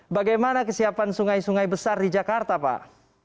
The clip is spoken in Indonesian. bagaimana kesiapan sungai sungai besar di jakarta pak